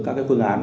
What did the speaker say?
các phương án